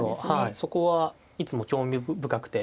そこはいつも興味深くて。